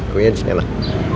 kuenya disini lah